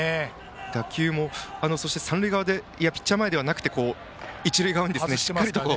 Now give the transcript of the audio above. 打球も三塁側やピッチャー側ではなくて一塁側にしっかりと。